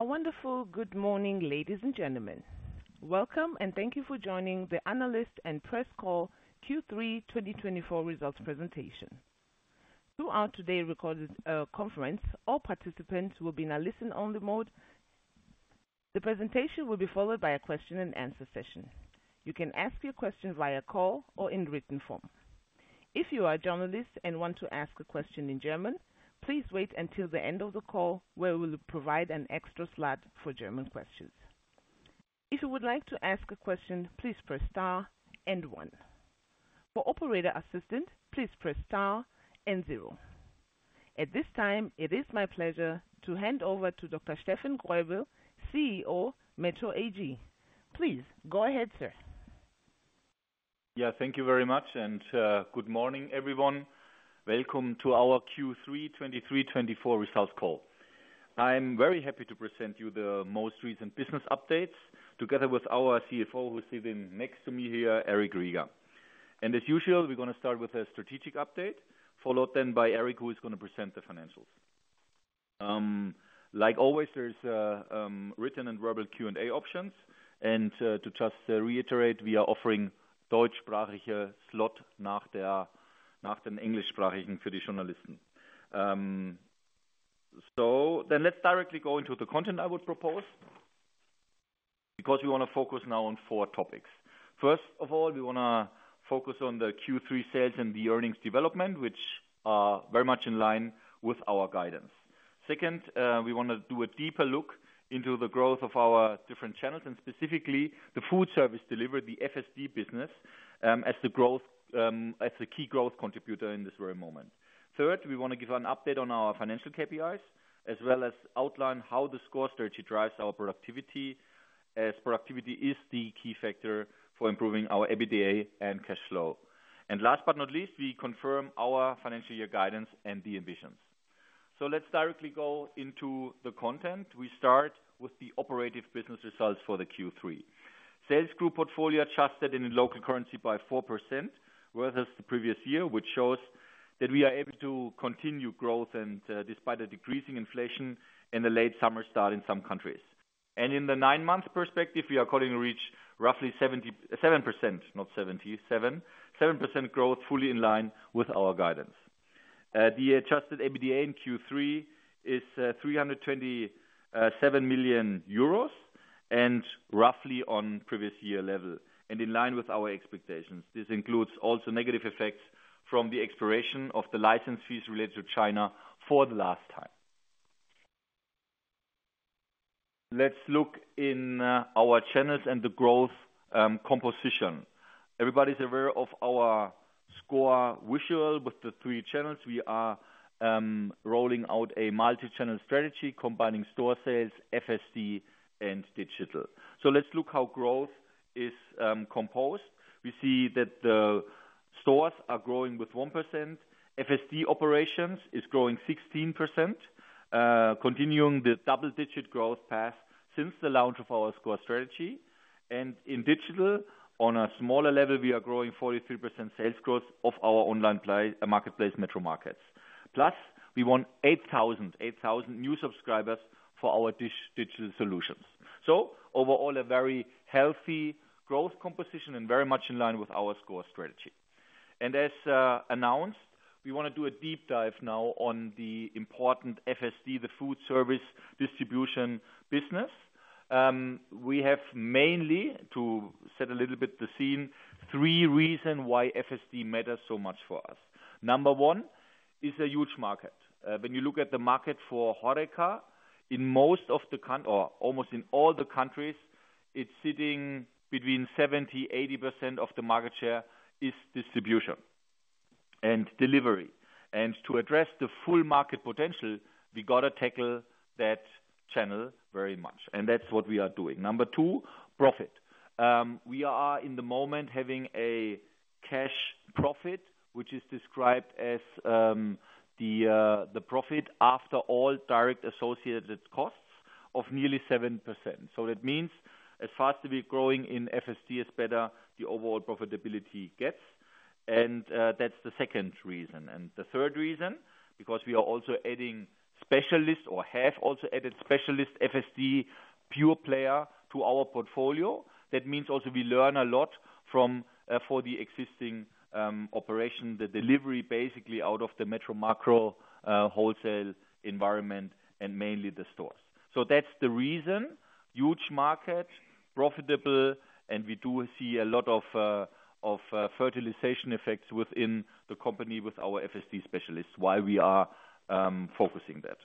A wonderful good morning, ladies and gentlemen. Welcome, and thank you for joining the analyst and press call Q3 2024 results presentation. Throughout today's recorded conference, all participants will be in a listen-only mode. The presentation will be followed by a question and answer session. You can ask your question via call or in written form. If you are a journalist and want to ask a question in German, please wait until the end of the call, where we will provide an extra slot for German questions. If you would like to ask a question, please press star and one. For operator assistance, please press star and zero. At this time, it is my pleasure to hand over to Dr. Steffen Greubel, CEO, METRO AG. Please go ahead, sir. Yeah, thank you very much, and good morning, everyone. Welcome to our Q3 2023-2024 Results Call. I am very happy to present you the most recent business updates, together with our CFO, who is sitting next to me here, Eric Riegger. And as usual, we're gonna start with a strategic update, followed then by Eric, who is gonna present the financials. Like always, there's written and verbal Q&A options, and to just reiterate, we are offering Deutschsprachigen Slot nach dem englischsprachigen für die Journalisten. So then let's directly go into the content I would propose, because we wanna focus now on four topics. First of all, we wanna focus on the Q3 sales and the earnings development, which are very much in line with our guidance. Second, we wanna do a deeper look into the growth of our different channels and specifically, the food service delivery, the FSD business, as the growth, as the key growth contributor in this very moment. Third, we wanna give an update on our financial KPIs, as well as outline how the sCore strategy drives our productivity, as productivity is the key factor for improving our EBITDA and cash flow. And last but not least, we confirm our financial year guidance and the ambitions. So let's directly go into the content. We start with the operative business results for the Q3. Sales grew portfolio adjusted in local currency by 4%, whereas the previous year, which shows that we are able to continue growth and, despite the decreasing inflation in the late summer, start in some countries. In the nine-month perspective, we are calling to reach roughly 77%, not 70, 77% growth fully in line with our guidance. The Adjusted EBITDA in Q3 is 327 million euros, and roughly on previous year level, and in line with our expectations. This includes also negative effects from the expiration of the license fees related to China for the last time. Let's look in our channels and the growth composition. Everybody's aware of our sCore visual with the three channels. We are rolling out a multi-channel strategy, combining store sales, FSD, and digital. So let's look how growth is composed. We see that the stores are growing with 1%. FSD operations is growing 16%, continuing the double-digit growth path since the launch of our sCore strategy. In digital, on a smaller level, we are growing 43% sales growth of our online play, marketplace, METRO MARKETS. Plus, we won 8,000, 8,000 new subscribers for our digital solutions. So overall, a very healthy growth composition and very much in line with our sCore strategy. And as announced, we wanna do a deep dive now on the important FSD, the food service distribution business. We have mainly, to set a little bit the scene, 3 reasons why FSD matters so much for us. Number one, is a huge market. When you look at the market for HoReCa, in most of the countries or almost in all the countries, it's sitting between 70%-80% of the market share is distribution and delivery. To address the full market potential, we gotta tackle that channel very much, and that's what we are doing. Number two, profit. We are, in the moment, having a cash profit, which is described as, the profit after all direct associated costs of nearly 7%. So that means as fast as we're growing in FSD, it's better the overall profitability gets, and that's the second reason. The third reason, because we are also adding specialists or have also added specialist FSD pure player to our portfolio. That means also we learn a lot from for the existing operation, the delivery, basically, out of the METRO MAKRO, wholesale environment and mainly the stores. So that's the reason: huge market, profitable, and we do see a lot of cross-fertilization effects within the company with our FSD specialists, why we are focusing that.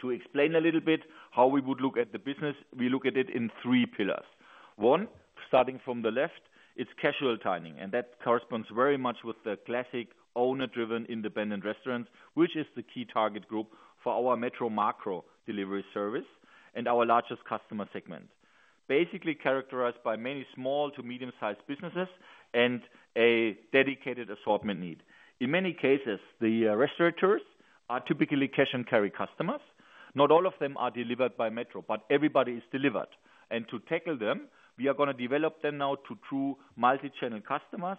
To explain a little bit how we would look at the business, we look at it in three pillars. One, starting from the left, is casual dining, and that corresponds very much with the classic owner-driven independent restaurants, which is the key target group for our METRO MAKRO delivery service and our largest customer segment. Basically, characterized by many small to medium-sized businesses and a dedicated assortment need. In many cases, the restaurateurs are typically cash-and-carry customers. Not all of them are delivered by Metro, but everybody is delivered. And to tackle them, we are gonna develop them now to true multi-channel customers.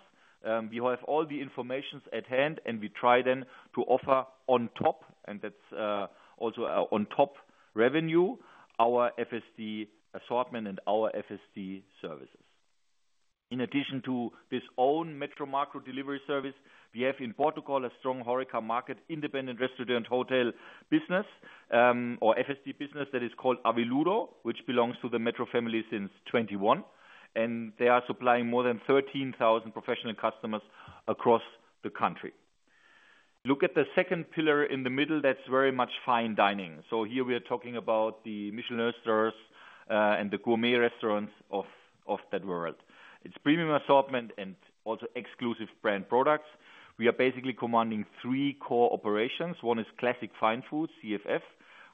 We have all the information at hand, and we try then to offer on top, and that's also on top revenue, our FSD assortment and our FSD services. In addition to this own METRO MAKRO delivery service, we have in Portugal a strong HoReCa market, independent restaurant, hotel business, or FSD business that is called Aviludo, which belongs to the METRO family since 2021. And they are supplying more than 13,000 professional customers across the country. Look at the second pillar in the middle, that's very much fine dining. So here we are talking about the Michelin stars and the gourmet restaurants of that world. It's premium assortment and also exclusive brand products. We are basically commanding three core operations. One is Classic Fine Foods, CFF,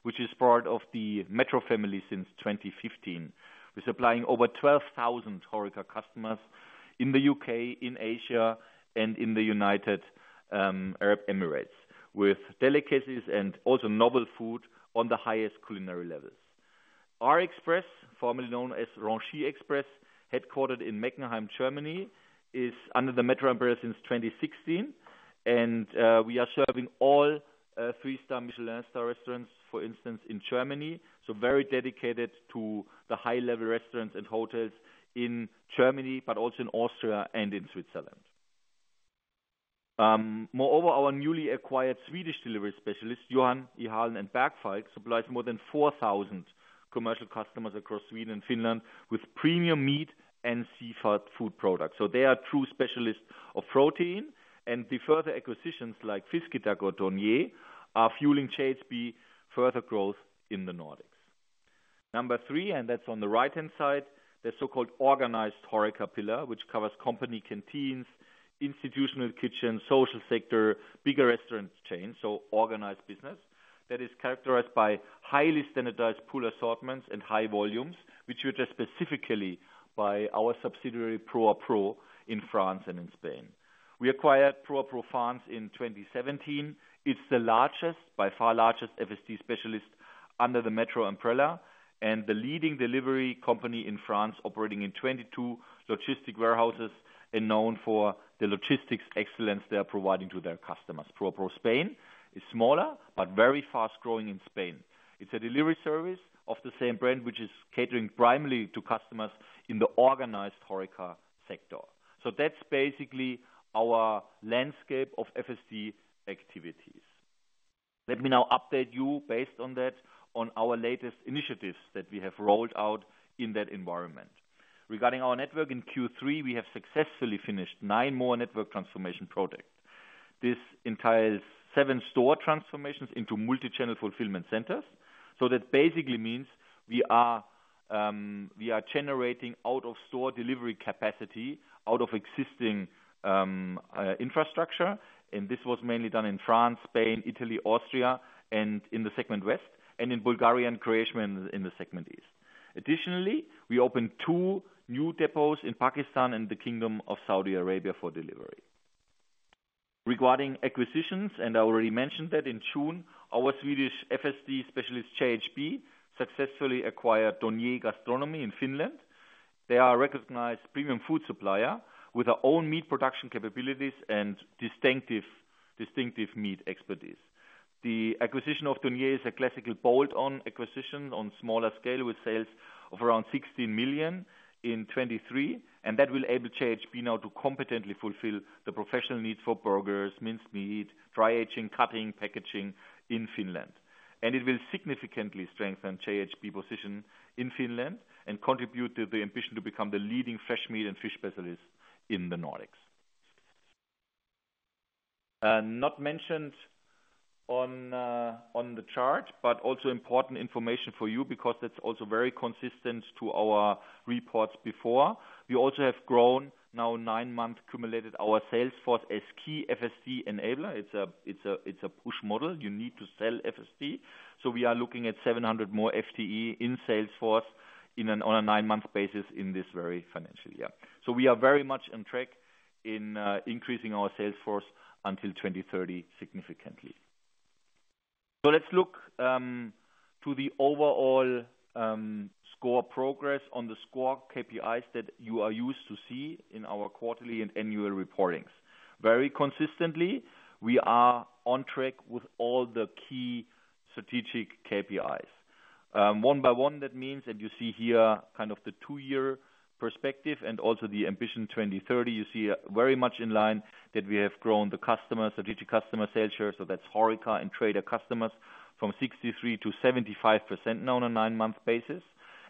which is part of the METRO family since 2015. We're supplying over 12,000 HoReCa customers in the UK, in Asia, and in the United Arab Emirates, with delicacies and also novel food on the highest culinary levels. R Express, formerly known as Rungis Express, headquartered in Meckenheim, Germany, is under the Metro umbrella since 2016, and we are serving all three-star Michelin star restaurants, for instance, in Germany. So very dedicated to the high-level restaurants and hotels in Germany, but also in Austria and in Switzerland. Moreover, our newly acquired Swedish delivery specialist, Johan i Hallen & Bergfalk, supplies more than 4,000 commercial customers across Sweden and Finland with premium meat and seafood food products. So they are true specialists of protein, and the further acquisitions like Fisk Idag, Donier, are fueling JHB further growth in the Nordics. Number three, and that's on the right-hand side, the so-called organized HoReCa pillar, which covers company canteens, institutional kitchen, social sector, bigger restaurants chain, so organized business. That is characterized by highly standardized pool assortments and high volumes, which we address specifically by our subsidiary, Pro à Pro, in France and in Spain. We acquired Pro à Pro France in 2017. It's the largest, by far largest FSD specialist under the Metro umbrella, and the leading delivery company in France, operating in 22 logistic warehouses, and known for the logistics excellence they are providing to their customers. Pro à Pro Spain is smaller, but very fast-growing in Spain. It's a delivery service of the same brand, which is catering primarily to customers in the organized HoReCa sector. So that's basically our landscape of FSD activities. Let me now update you, based on that, on our latest initiatives that we have rolled out in that environment. Regarding our network in Q3, we have successfully finished 9 more network transformation projects. This entails 7 store transformations into multi-channel fulfillment centers. So that basically means we are generating out of store delivery capacity out of existing infrastructure. And this was mainly done in France, Spain, Italy, Austria, and in the Segment West, and in Bulgaria and Croatia, in the Segment East. Additionally, we opened 2 new depots in Pakistan and the Kingdom of Saudi Arabia for delivery. Regarding acquisitions, and I already mentioned that in June, our Swedish FSD specialist, JHB, successfully acquired Donier Gastronomie in Finland. They are a recognized premium food supplier with their own meat production capabilities and distinctive meat expertise. The acquisition of Donier is a classical bolt-on acquisition on smaller scale, with sales of around 16 million in 2023, and that will enable JHB now to competently fulfill the professional need for burgers, minced meat, dry aging, cutting, packaging in Finland. And it will significantly strengthen JHB position in Finland and contribute to the ambition to become the leading fresh meat and fish specialist in the Nordics. Not mentioned on the chart, but also important information for you, because that's also very consistent to our reports before. We also have grown now nine-month accumulated our sales force as key FSD enabler. It's a push model. You need to sell FSD. So we are looking at 700 more FTE in sales force on a nine-month basis in this very financial year. So we are very much on track in increasing our sales force until 2030, significantly. So let's look to the overall sCore progress on the sCore KPIs that you are used to see in our quarterly and annual reportings. Very consistently, we are on track with all the key strategic KPIs. One by one, that means, and you see here kind of the two-year perspective and also the ambition, 2030. You see very much in line that we have grown the customer, strategic customer sales share, so that's HoReCa and trader customers, from 63 to 75% now on a nine-month basis.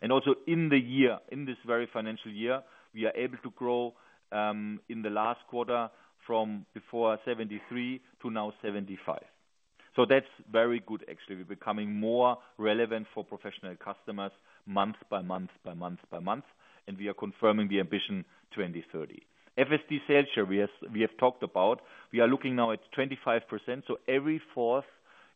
And also in the year, in this very financial year, we are able to grow in the last quarter from before 73 to now 75. So that's very good actually. We're becoming more relevant for professional customers month by month, by month by month, and we are confirming the ambition, 2030. FSD sales share, we have, we have talked about. We are looking now at 25%, so every fourth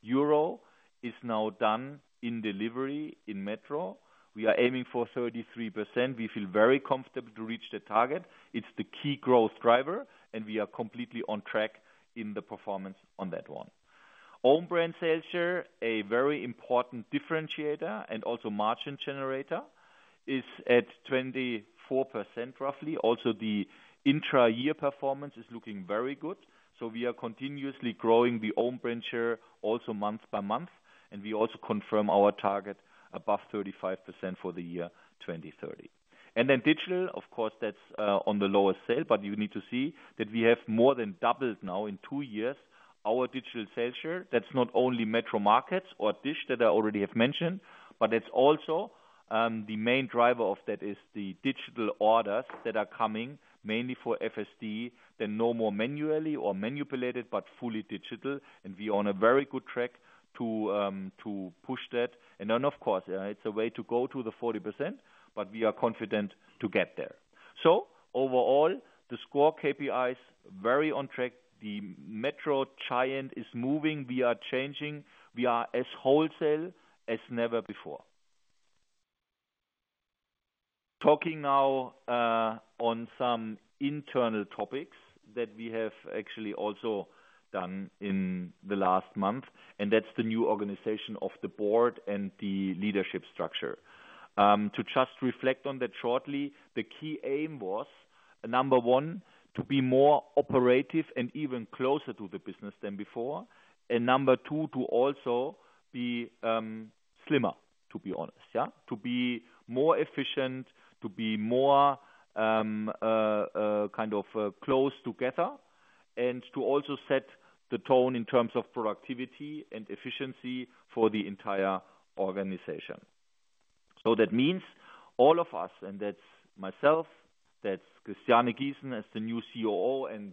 euro is now done in delivery in Metro. We are aiming for 33%. We feel very comfortable to reach the target. It's the key growth driver, and we are completely on track in the performance on that one. Own brand sales share, a very important differentiator and also margin generator, is at 24% roughly. Also, the intra-year performance is looking very good. So we are continuously growing the own brand share also month by month, and we also confirm our target above 35% for the year 2030. And then digital, of course, that's on the lower side, but you need to see that we have more than doubled now in two years, our digital sales share. That's not only METRO MARKETS or DISH, that I already have mentioned, but it's also the main driver of that is the digital orders that are coming mainly for FSD, that are no more manually or manipulated, but fully digital. And we are on a very good track to push that. And then, of course, it's a way to go to the 40%, but we are confident to get there. So overall, the sCore KPI is very on track. The METRO giant is moving, we are changing. We are as wholesale as never before. Talking now on some internal topics that we have actually also done in the last month, and that's the new organization of the board and the leadership structure. To just reflect on that shortly, the key aim was, number one, to be more operative and even closer to the business than before. And number two, to also be slimmer, to be honest, yeah? To be more efficient, to be more kind of close together, and to also set the tone in terms of productivity and efficiency for the entire organization. So that means all of us, and that's myself, that's Christiane Giesen as the new COO and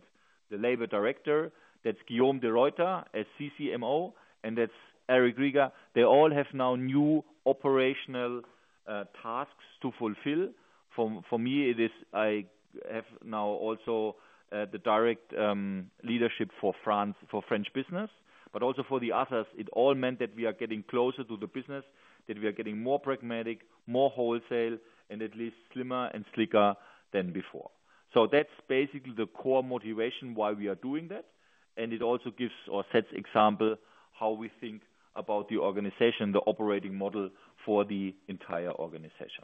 the labor director, that's Guillaume Deruyter as CCMO, and that's Eric Riegger. They all have now new operational tasks to fulfill. For me, it is I have now also the direct leadership for France, for French business, but also for the others. It all meant that we are getting closer to the business, that we are getting more pragmatic, more wholesale, and at least slimmer and slicker than before. So that's basically the core motivation why we are doing that, and it also gives or sets example, how we think about the organization, the operating model for the entire organization.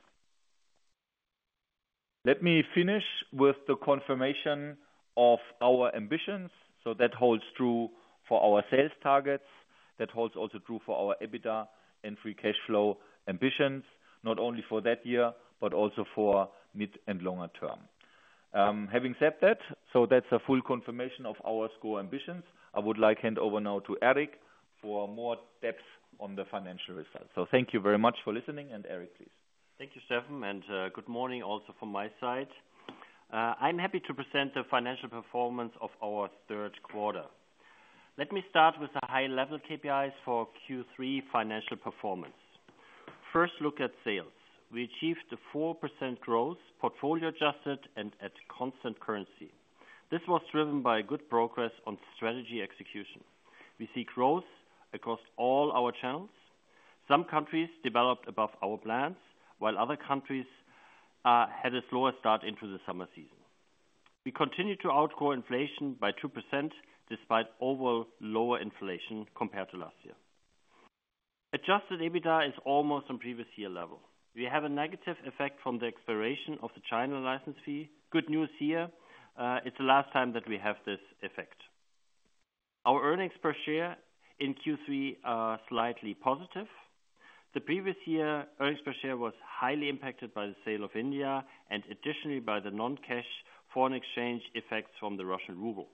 Let me finish with the confirmation of our ambitions. So that holds true for our sales targets, that holds also true for our EBITDA and free cash flow ambitions, not only for that year, but also for mid and longer term. Having said that, so that's a full confirmation of our sCore ambitions. I would like to hand over now to Eric for more depth on the financial results. So thank you very much for listening, and Eric, please. Thank you, Steffen, and, good morning, also from my side. I'm happy to present the financial performance of our third quarter. Let me start with the high level KPIs for Q3 financial performance. First, look at sales. We achieved a 4% growth, portfolio adjusted and at constant currency. This was driven by good progress on strategy execution. We see growth across all our channels. Some countries developed above our plans, while other countries, had a slower start into the summer season. We continued to outgrow inflation by 2%, despite overall lower inflation compared to last year. Adjusted EBITDA is almost on previous year level. We have a negative effect from the expiration of the China license fee. Good news here, it's the last time that we have this effect. Our earnings per share in Q3 are slightly positive. The previous year, earnings per share was highly impacted by the sale of METRO India and additionally, by the non-cash foreign exchange effects from the Russian ruble.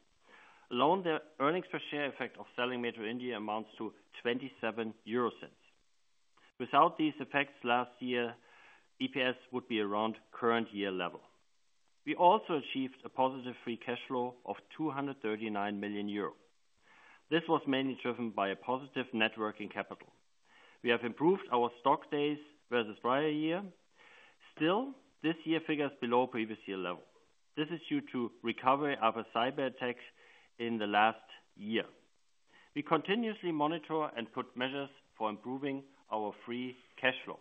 Alone, the earnings per share effect of selling METRO India amounts to 0.27. Without these effects last year, EPS would be around current year level. We also achieved a positive free cash flow of 239 million euro. This was mainly driven by a positive net working capital. We have improved our stock days versus prior year. Still, this year figures below previous year level. This is due to recovery of a cyber attack in the last year. We continuously monitor and put measures for improving our free cash flow.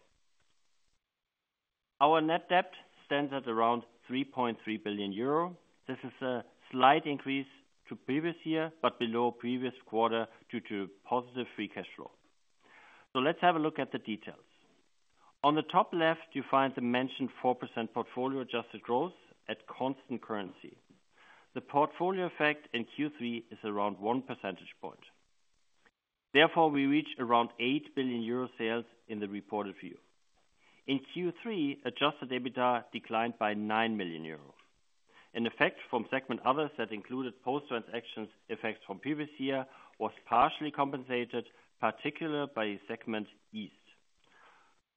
Our net debt stands at around 3.3 billion euro. This is a slight increase to previous year, but below previous quarter due to positive free cash flow. So let's have a look at the details. On the top left, you find the mentioned 4% portfolio adjusted growth at constant currency. The portfolio effect in Q3 is around 1 percentage point. Therefore, we reach around 8 billion euro sales in the reported view. In Q3, adjusted EBITDA declined by 9 million euro. An effect from Segment Others that included post-transactions effects from previous year, was partially compensated, particularly by Segment East.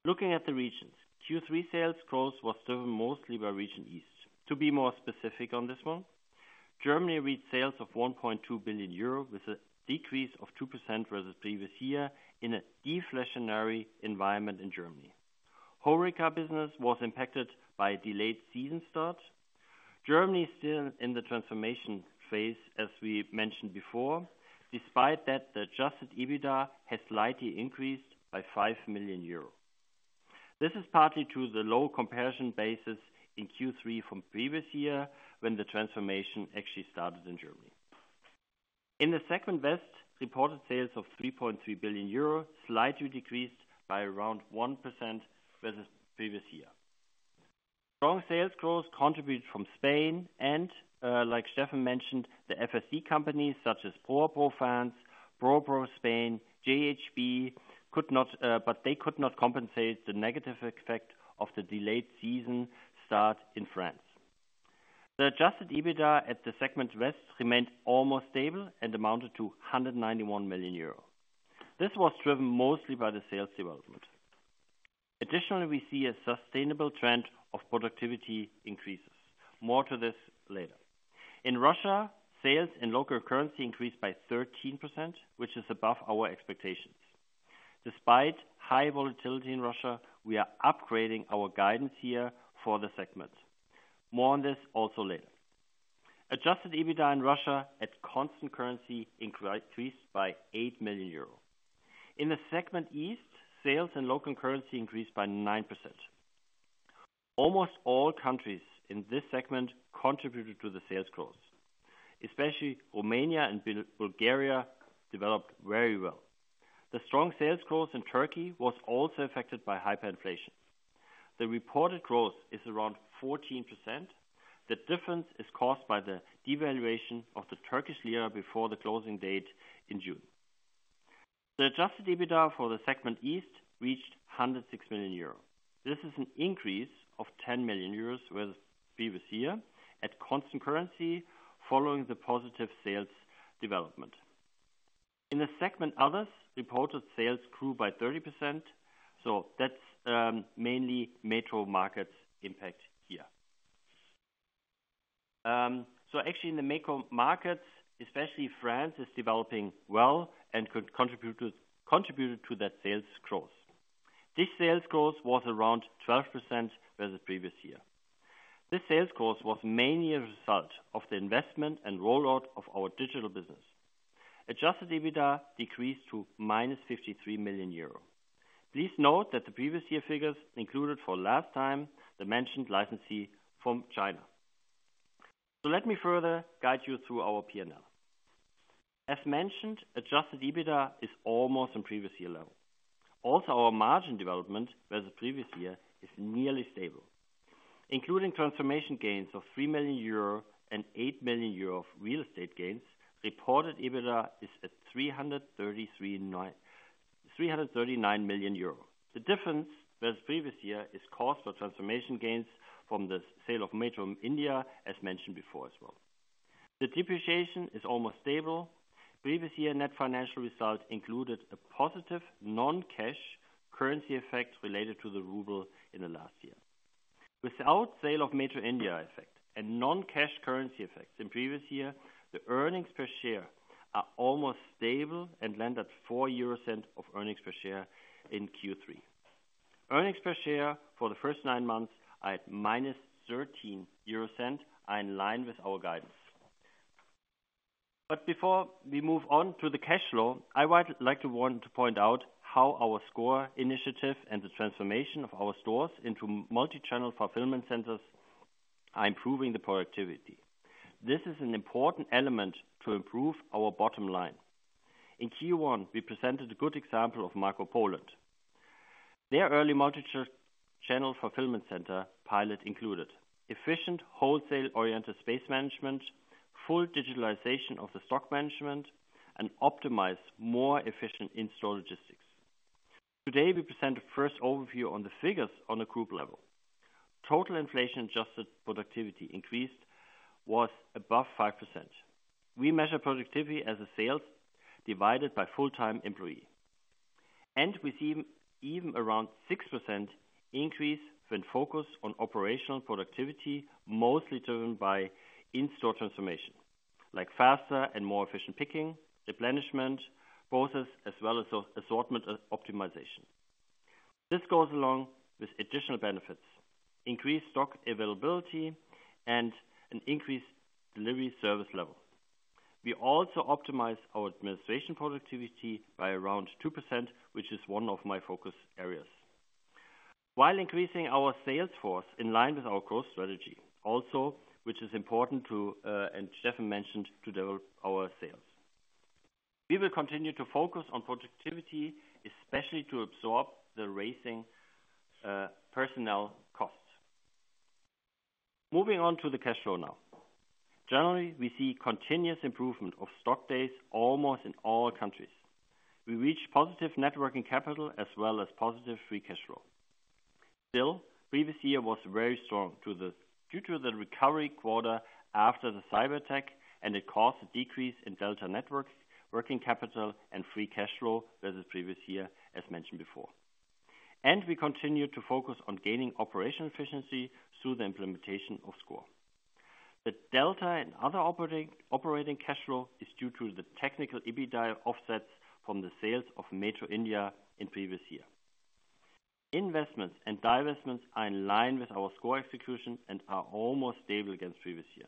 Looking at the regions, Q3 sales growth was driven mostly by region East. To be more specific on this one, Germany reached sales of 1.2 billion euro, with a decrease of 2% versus previous year in a deflationary environment in Germany. HoReCa business was impacted by a delayed season start. Germany is still in the transformation phase, as we mentioned before. Despite that, the adjusted EBITDA has slightly increased by 5 million euro. This is partly to the low comparison basis in Q3 from previous year, when the transformation actually started in Germany. In the Segment West, reported sales of 3.3 billion euro, slightly decreased by around 1% than the previous year. Strong sales growth contributed from Spain and, like Steffen mentioned, the FSD companies such as Pro à Pro France, Pro à Pro Spain, JHB could not, but they could not compensate the negative effect of the delayed season start in France. The Adjusted EBITDA at the Segment West remained almost stable and amounted to 191 million euro. This was driven mostly by the sales development. Additionally, we see a sustainable trend of productivity increases. More to this later. In Russia, sales in local currency increased by 13%, which is above our expectations. Despite high volatility in Russia, we are upgrading our guidance here for the segment. More on this also later. Adjusted EBITDA in Russia at constant currency increased by 8 million euros. In the Segment East, sales and local currency increased by 9%. Almost all countries in this segment contributed to the sales growth, especially Romania and Bulgaria, developed very well. The strong sales growth in Turkey was also affected by hyperinflation. The reported growth is around 14%. The difference is caused by the devaluation of the Turkish lira before the closing date in June. The adjusted EBITDA for the Segment East reached 106 million euros. This is an increase of 10 million euros with previous year at constant currency, following the positive sales development. In the segment Others, reported sales grew by 30%, so that's mainly METRO MARKETS impact here. So actually in the Metro markets, especially France, is developing well and could contribute to, contributed to that sales growth. This sales growth was around 12% than the previous year. This sales growth was mainly a result of the investment and rollout of our digital business. Adjusted EBITDA decreased to -53 million euro. Please note that the previous year figures included for last time, the mentioned licensee from China. So let me further guide you through our P&L. As mentioned, adjusted EBITDA is almost on previous year level. Also, our margin development than the previous year is nearly stable, including transformation gains of 3 million euro and 8 million euro of real estate gains. Reported EBITDA is at 339 million euro. The difference than previous year is cost of transformation gains from the sale of METRO India, as mentioned before as well. The depreciation is almost stable. Previous year, net financial results included a positive non-cash currency effect related to the ruble in the last year. Without sale of METRO India effect and non-cash currency effects in previous year, the earnings per share are almost stable and landed 0.04 of earnings per share in Q3. Earnings per share for the first nine months are at -0.13, are in line with our guidance. Before we move on to the cash flow, I would like to point out how our sCore initiative and the transformation of our stores into multi-channel fulfillment centers are improving the productivity. This is an important element to improve our bottom line. In Q1, we presented a good example of MAKRO Poland. Their early multi-channel fulfillment center pilot included: efficient, wholesale-oriented space management, full digitalization of the stock management, and optimize more efficient in-store logistics. Today, we present a first overview on the figures on a group level. Total inflation-adjusted productivity increase was above 5%. We measure productivity as a sales divided by full-time employee, and we see even around 6% increase when focused on operational productivity, mostly driven by in-store transformation, like faster and more efficient picking, replenishment process, as well as assortment optimization. This goes along with additional benefits, increased stock availability, and an increased delivery service level. We also optimize our administration productivity by around 2%, which is one of my focus areas. While increasing our sales force in line with our growth strategy, also, which is important to, and Steffen mentioned, to develop our sales. We will continue to focus on productivity, especially to absorb the rising personnel costs. Moving on to the cash flow now. Generally, we see continuous improvement of stock days almost in all countries. We reach positive net working capital as well as positive free cash flow. Still, previous year was very strong due to the recovery quarter after the cyberattack, and it caused a decrease in delta net working capital and free cash flow than the previous year, as mentioned before. We continue to focus on gaining operational efficiency through the implementation of sCore. The delta in other operating cash flow is due to the adjusted EBITDA offsets from the sales of Metro India in previous year. Investments and divestments are in line with our sCore execution and are almost stable against previous year.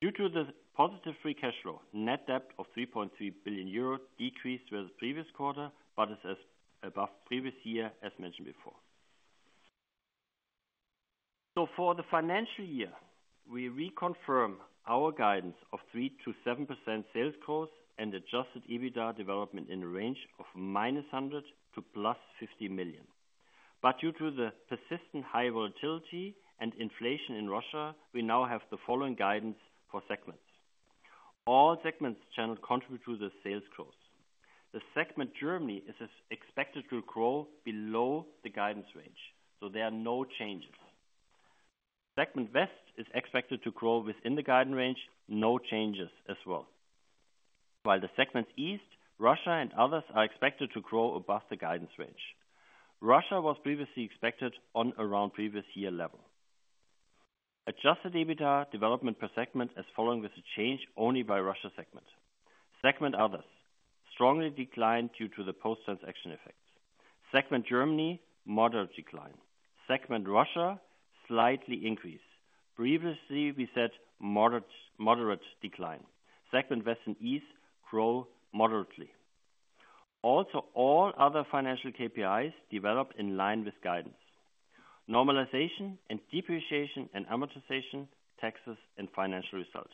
Due to the positive free cash flow, net debt of 3.3 billion euro decreased through the previous quarter, but is above previous year, as mentioned before. So for the financial year, we reconfirm our guidance of 3%-7% sales growth and Adjusted EBITDA development in the range of -100 million to +50 million. But due to the persistent high volatility and inflation in Russia, we now have the following guidance for segments. All segments channel contribute to the sales growth. The segment Germany is expected to grow below the guidance range, so there are no changes. Segment West is expected to grow within the guidance range, no changes as well. While the segments East, Russia and others are expected to grow above the guidance range. Russia was previously expected on around previous year level. Adjusted EBITDA development per segment as following, with a change only by Russia segment. Segment others, strongly declined due to the post-transaction effect. Segment Germany, moderate decline. Segment Russia, slightly increase. Previously, we said moderate, moderate decline. Segment West and East, grow moderately. Also, all other financial KPIs develop in line with guidance, normalization and depreciation and amortization, taxes and financial results.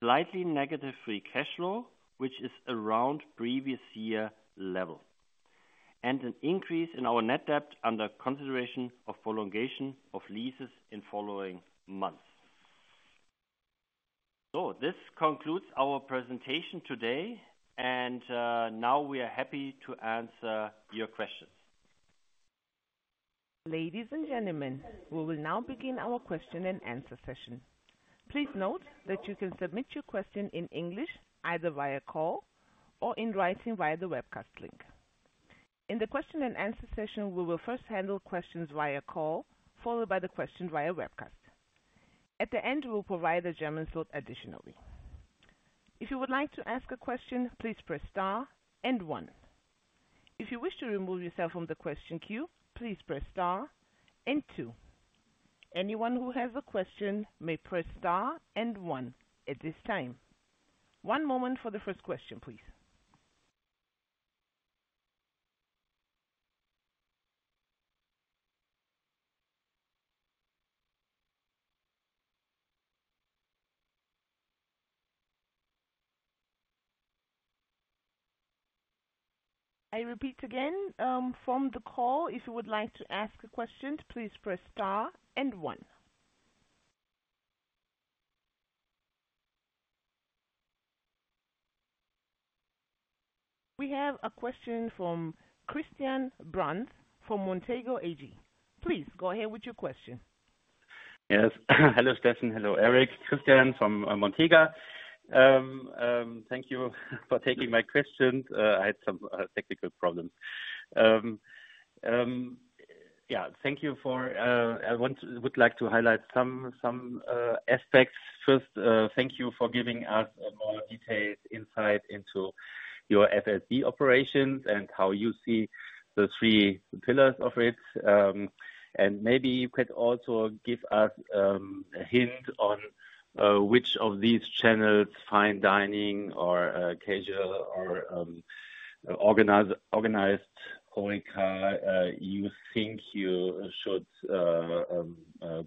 Slightly negative free cash flow, which is around previous year level, and an increase in our net debt under consideration of prolongation of leases in following months. So this concludes our presentation today, and now we are happy to answer your questions. Ladies and gentlemen, we will now begin our question and answer session. Please note that you can submit your question in English, either via call or in writing via the webcast link. In the question and answer session, we will first handle questions via call, followed by the question via webcast. At the end, we'll provide a German slot additionally. If you would like to ask a question, please press star and one. If you wish to remove yourself from the question queue, please press star and two. Anyone who has a question may press star and one at this time. One moment for the first question, please. I repeat again, from the call, if you would like to ask a question, please press star and one. We have a question from Christian Bruns, from Montega AG. Please go ahead with your question. Yes. Hello, Steffen. Hello, Eric. Christian from Montega. Thank you for taking my questions. I had some technical problems. I would like to highlight some aspects. First, thank you for giving us a more detailed insight into your FSD operations and how you see the three pillars of it. And maybe you could also give us a hint on which of these channels, fine dining or casual or organized HoReCa, you think you should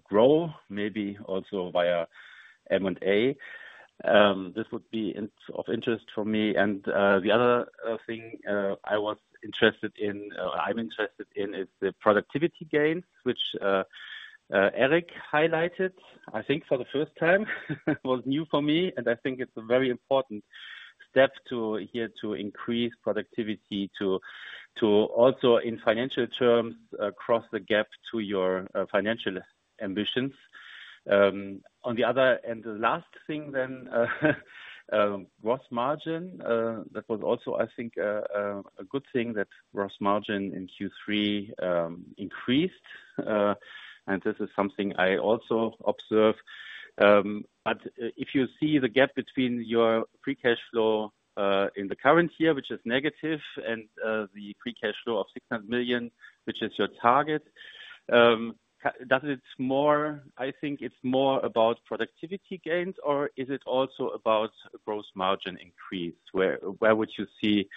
grow, maybe also via M&A. This would be of interest for me. And the other thing I'm interested in is the productivity gains, which Eric highlighted, I think for the first time. It was new for me, and I think it's a very important step here to increase productivity, to also, in financial terms, cross the gap to your financial ambitions. On the other, and the last thing then, gross margin. That was also, I think, a good thing, that gross margin in Q3 increased. And this is something I also observe. But if you see the gap between your free cash flow in the current year, which is negative, and the free cash flow of 600 million, which is your target, that it's more, I think it's more about productivity gains, or is it also about gross margin increase? Where would you see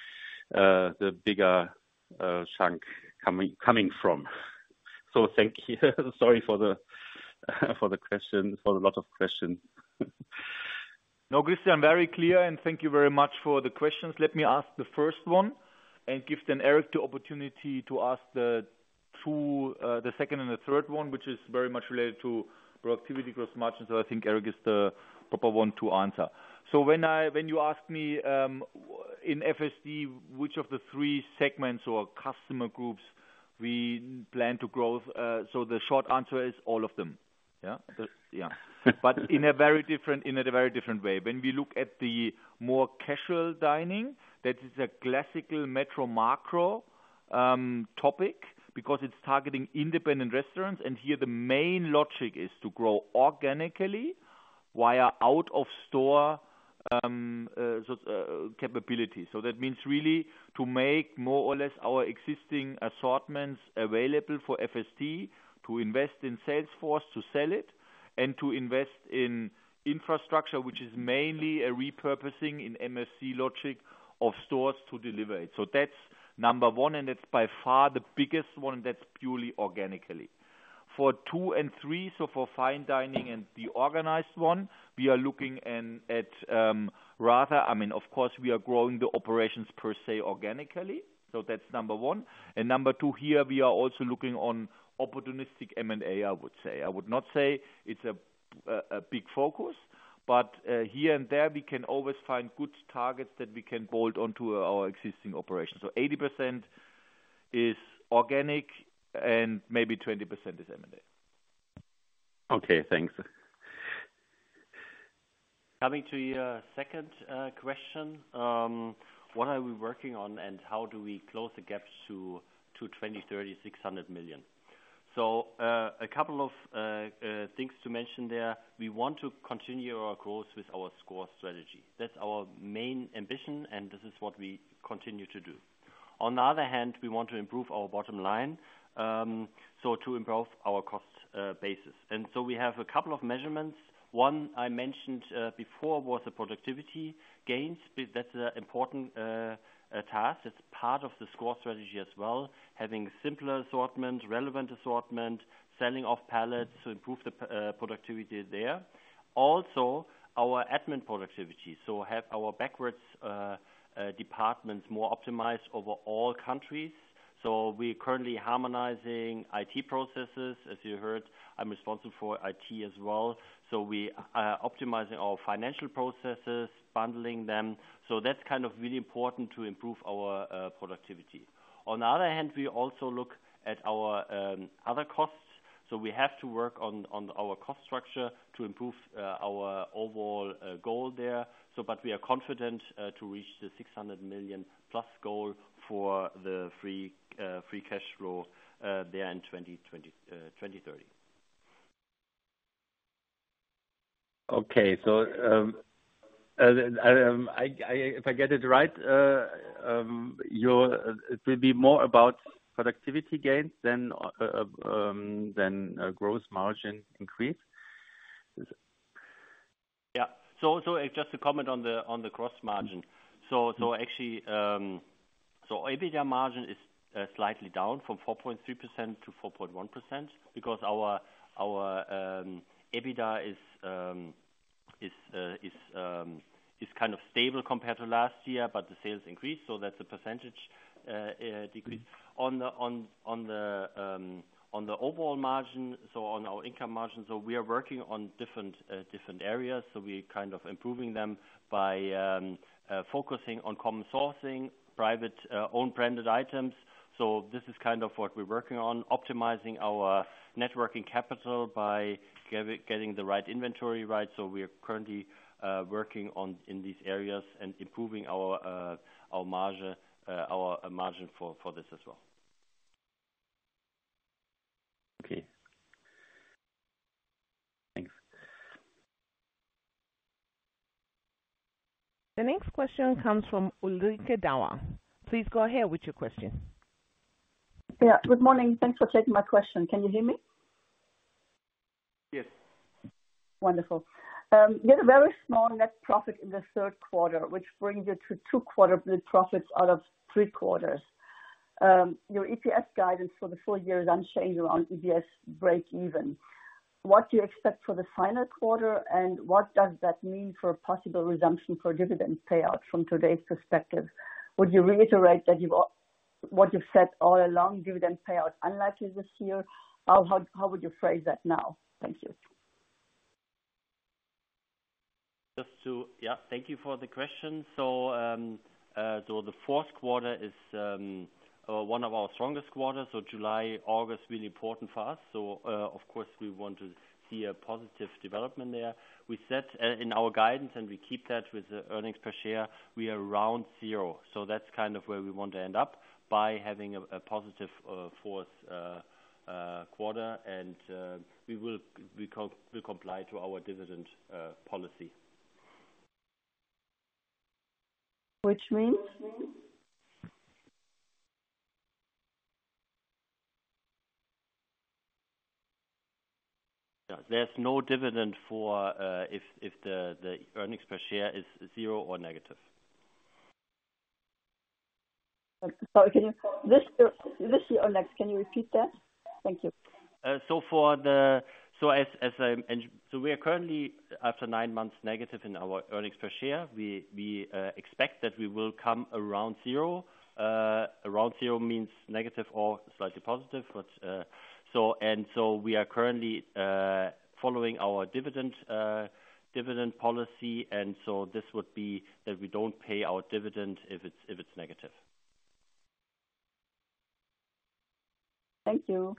the bigger chunk coming from? So thank you. Sorry for the question, for a lot of questions. No, Christian, very clear, and thank you very much for the questions. Let me ask the first one and give then Eric the opportunity to ask the two, the second and the third one, which is very much related to productivity, gross margin, so I think Eric is the proper one to answer. So when you ask me, in FSD, which of the three segments or customer groups we plan to grow, so the short answer is all of them. Yeah? The, yeah. But in a very different, in a very different way. When we look at the more casual dining, that is a classical Metro MAKRO topic, because it's targeting independent restaurants, and here the main logic is to grow organically via out-of-store capability. So that means really to make more or less our existing assortments available for FSD, to invest in sales force, to sell it, and to invest in infrastructure, which is mainly a repurposing in MCFC logic of stores to deliver it. So that's number one, and it's by far the biggest one, that's purely organically. For two and three, so for fine dining and the organized one, we are looking rather, I mean, of course, we are growing the operations per se, organically. So that's number one. And number two, here, we are also looking on opportunistic M&A, I would say. I would not say it's a big focus, but here and there, we can always find good targets that we can bolt onto our existing operations. So 80% is organic and maybe 20% is M&A. Okay, thanks. Coming to your second question, what are we working on, and how do we close the gaps to 2030, 600 million? So, a couple of things to mention there. We want to continue our course with our sCore strategy. That's our main ambition, and this is what we continue to do. On the other hand, we want to improve our bottom line, so to improve our cost basis. And so we have a couple of measurements. One, I mentioned before, was the productivity gains. That's an important task. It's part of the sCore strategy as well, having simpler assortment, relevant assortment, selling off pallets to improve the productivity there. Also, our admin productivity, so have our back-office departments more optimized over all countries. So we are currently harmonizing IT processes. As you heard, I'm responsible for IT as well, so we are optimizing our financial processes, bundling them. So that's kind of really important to improve our productivity. On the other hand, we also look at our other costs, so we have to work on our cost structure to improve our overall goal there. But we are confident to reach the 600 million+ goal for the free cash flow there in 2020, 2030. Okay, so, if I get it right, it will be more about productivity gains than growth margin increase? Yeah. So just to comment on the gross margin. So actually, EBITDA margin is slightly down from 4.3% to 4.1%, because our EBITDA is kind of stable compared to last year, but the sales increased, so that's the percentage decrease. On the overall margin, so on our income margin, we are working on different areas. So we are kind of improving them by focusing on cost and sourcing, private own-brand items. So this is kind of what we're working on, optimizing our net working capital by getting the right inventory right. So we are currently working on these areas and improving our margin for this as well. Okay. Thanks. The next question comes from Ulrike Dauer. Please go ahead with your question. Yeah, good morning. Thanks for taking my question. Can you hear me? Yes. Wonderful. You had a very small net profit in the third quarter, which brings it to two quarter net profits out of three quarters. Your EPS guidance for the full year is unchanged around EPS breakeven. What do you expect for the final quarter, and what does that mean for possible resumption for dividend payout from today's perspective? Would you reiterate that what you've said all along, dividend payout unlikely this year? Or how, how would you phrase that now? Thank you. Just to. Yeah, thank you for the question. So, the fourth quarter is one of our strongest quarters, so July, August, really important for us. So, of course, we want to see a positive development there. We set in our guidance, and we keep that with the earnings per share. We are around zero, so that's kind of where we want to end up by having a positive fourth quarter, and we will comply to our dividend policy. Which means? Yeah, there's no dividend for if the earnings per share is zero or negative. Sorry, can you—this year, this year or next? Can you repeat that? Thank you. So we are currently, after nine months, negative in our earnings per share. We expect that we will come around zero. Around zero means negative or slightly positive, but so we are currently following our dividend policy, and so this would be that we don't pay our dividend if it's negative. Thank you.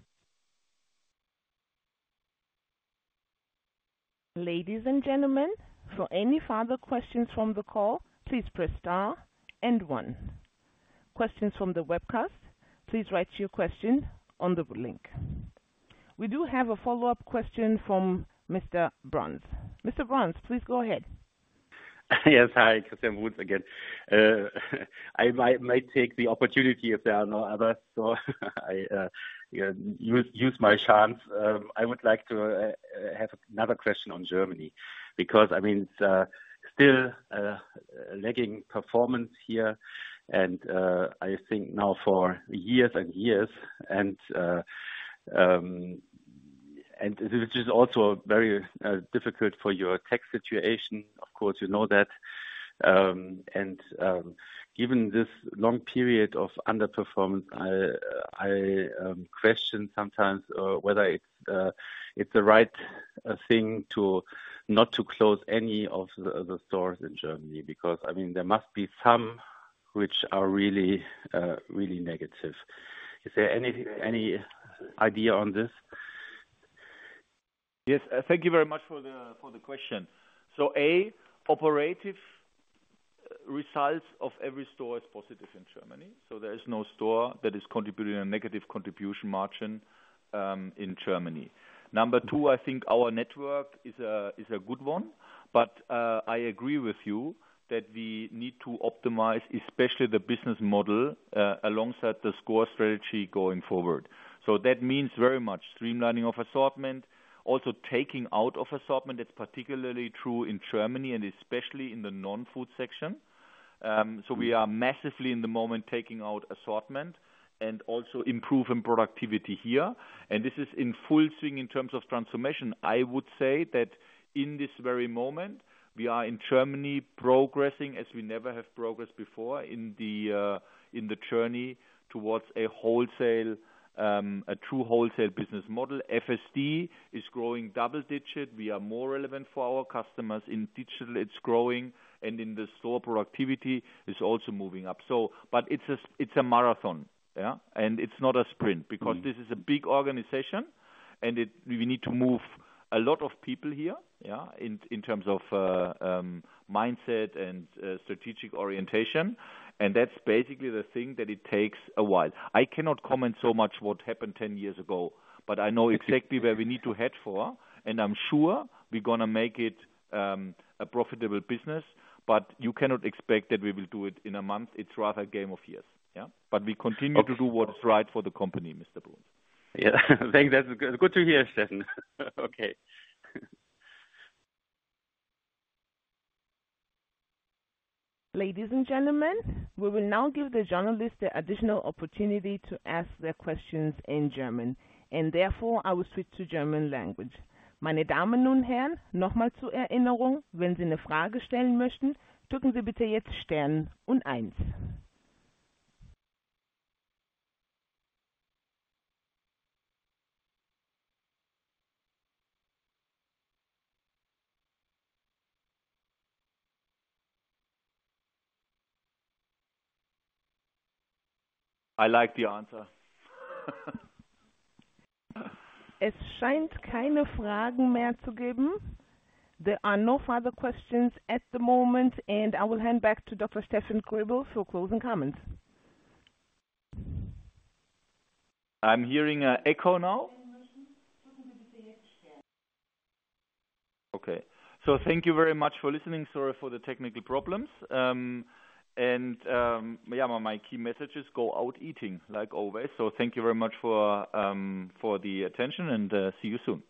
Ladies and gentlemen, for any further questions from the call, please press star and one. Questions from the webcast, please write your question on the link. We do have a follow-up question from Mr. Bruns. Mr. Bruns, please go ahead. Yes, hi, Christian Bruns again. I might take the opportunity if there are no others, so I use my chance. I would like to have another question on Germany, because, I mean, it's still a lagging performance here and I think now for years and years, and this is also very difficult for your tax situation, of course, you know that. And given this long period of underperformance, I question sometimes whether it's the right thing to not close any of the stores in Germany, because, I mean, there must be some which are really negative. Is there any idea on this? Yes. Thank you very much for the, for the question. So, our operating results of every store is positive in Germany, so there is no store that is contributing a negative contribution margin, in Germany. Number two, I think our network is a good one, but, I agree with you that we need to optimize, especially the business model, alongside the sCore strategy going forward. So that means very much streamlining of assortment, also taking out of assortment. That's particularly true in Germany and especially in the non-food section. So we are massively, in the moment, taking out assortment and also improving productivity here, and this is in full swing in terms of transformation. I would say that in this very moment, we are in Germany, progressing as we never have progressed before in the journey towards a wholesale, a true wholesale business model. FSD is growing double digit. We are more relevant for our customers. In digital, it's growing, and in the store, productivity is also moving up. But it's a marathon, yeah, and it's not a sprint, because this is a big organization and we need to move a lot of people here, yeah, in terms of mindset and strategic orientation. And that's basically the thing, that it takes a while. I cannot comment so much what happened 10 years ago, but I know exactly where we need to head for, and I'm sure we're gonna make it, a profitable business. But you cannot expect that we will do it in a month. It's rather a game of years, yeah? But we continue to do what's right for the company, Mr. Bruns. Yeah. Thanks. That's good to hear, Steffen. Okay. Ladies and gentlemen, we will now give the journalists the additional opportunity to ask their questions in German, and therefore, I will switch to German language. I like the answer. There are no further questions at the moment, and I will hand back to Dr. Steffen Greubel for closing comments. I'm hearing an echo now. Okay. So thank you very much for listening. Sorry for the technical problems. And yeah, my key message is, "Go out eating," like always. So thank you very much for the attention, and see you soon.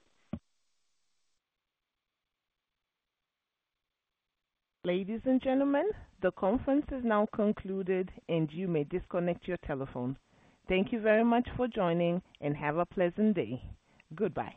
Ladies and gentlemen, the conference is now concluded, and you may disconnect your telephone. Thank you very much for joining, and have a pleasant day. Goodbye.